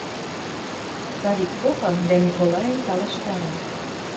Савик попа дӓ Миколайым талаштара: